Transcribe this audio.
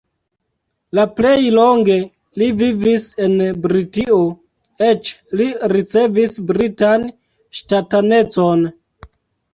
La plej longe li vivis en Britio, eĉ li ricevis britan ŝtatanecon.